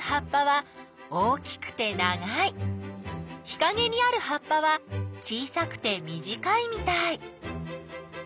日かげにある葉っぱは小さくて短いみたい。